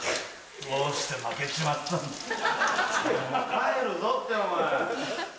帰るぞってお前。